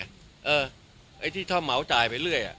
ไอ้ที่ถ้าเหมาจ่ายไปเรื่อย